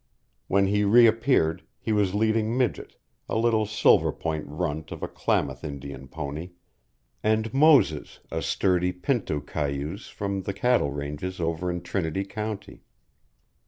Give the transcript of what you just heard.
When he reappeared, he was leading Midget, a little silverpoint runt of a Klamath Indian pony, and Moses, a sturdy pinto cayuse from the cattle ranges over in Trinity County.